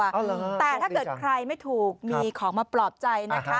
อ๋อเหรอโชคดีจังแต่ถ้าเกิดใครไม่ถูกมีของมาปลอบใจนะคะ